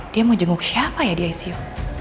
dia mau jenguk siapa ya di icu